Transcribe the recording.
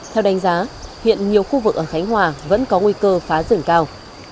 theo đánh giá hiện nhiều khu vực ở khánh hòa vẫn có nguy cơ phá rừng cao